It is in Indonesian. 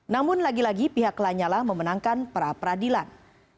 namun lagi lagi pihak lanyala memenangkan pra peradilan